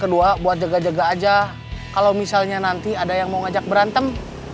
kedua buat jaga jaga aja kalau misalnya nanti ada yang mau ngajak berantem